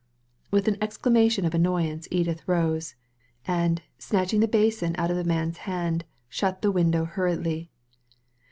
With an exclamation of annoyance Edith rose, and, snatching the basin out of the man's hand, shut the window hurriedly.